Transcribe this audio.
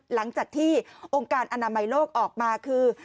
หลังจากที่องค์การอนามัยโลกออกมาคือ